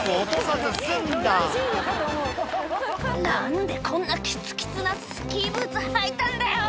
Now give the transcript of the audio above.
「何でこんなキツキツなスキーブーツ履いたんだよ！」